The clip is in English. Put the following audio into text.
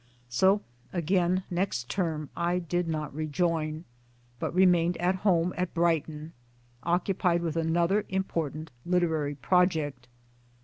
So again next term I did not rejoin ; but remained at home, at Brighton, occupied with another import ant literary project